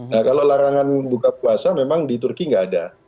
nah kalau larangan buka puasa memang di turki nggak ada